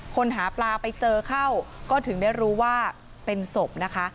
หาปลาไปเจอเข้าก็ถึงได้รู้ว่าเป็นศพนะคะ